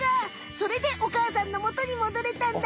それでお母さんのもとにもどれたんだ！